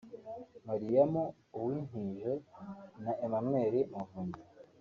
Miriam Uwintije na Emmanuel Muvunyi